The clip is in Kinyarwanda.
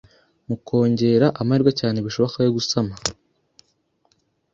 mu kwongera amahirwe cyane bishoboka yo gusama.